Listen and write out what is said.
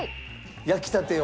焼きたてを。